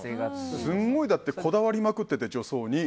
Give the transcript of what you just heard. すごいこだわりまくってて、女装に。